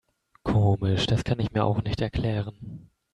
Komisch, das kann ich mir auch nicht erklären.